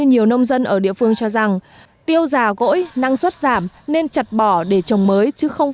nhiều nông dân ở địa phương cho rằng tiêu già gỗi năng suất giảm nên chặt bỏ để trồng mới chứ không